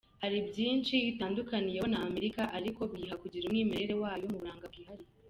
Hari byinshi itandukaniyeho na Amerika, ariko biyiha kugira umwimerere wayo mu buranga bwihariye.